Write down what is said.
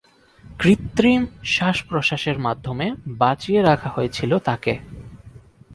কৃত্রিম শ্বাস-প্রশ্বাসের মাধ্যমে বাঁচিয়ে রাখা হয়েছিল তাকে।